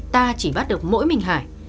ta chỉ bắt được mỗi mình hải